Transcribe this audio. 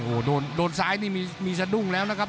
โอ้โหโดนซ้ายนี่มีสะดุ้งแล้วนะครับ